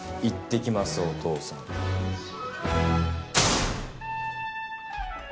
いってきますお父さん。